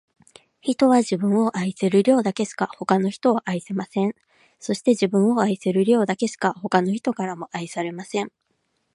人は、自分を愛せる量だけしか、他の人を愛せません。そして、自分を愛せる量だけしか、他の人からも愛されません。